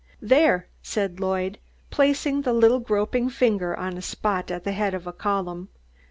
"There," said Lloyd, placing the little groping finger on a spot at the head of a column.